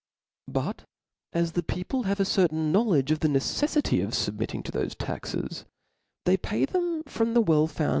But as the people have a cdrtain knowledge of the neccffity of fubmittiog to thofe taxes, they pay them from the well f6und